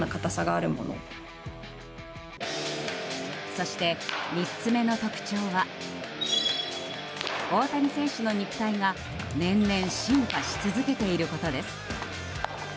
そして、３つ目の特徴は大谷選手の肉体が年々進化し続けていることです。